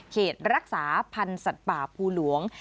เขตรักษาพันธุ์สัตว์ป่าภูหลวง